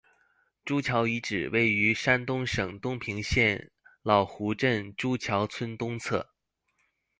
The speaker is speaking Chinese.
朱桥遗址位于山东省东平县老湖镇朱桥村东侧。